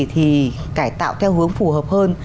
thì cải tạo theo hướng phù hợp hơn